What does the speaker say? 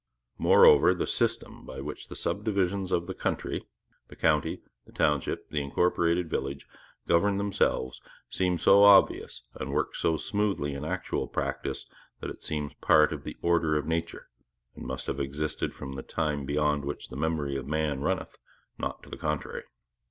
Moreover, the system by which the subdivisions of the country the county, the township, the incorporated village govern themselves seems so obvious and works so smoothly in actual practice that it seems part of the order of nature, and must have existed from the time beyond which the memory of man runneth not to the contrary.